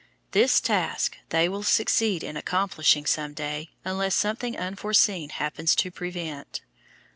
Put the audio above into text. This task they will succeed in accomplishing some day unless something unforeseen happens to prevent.